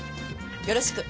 よろしく。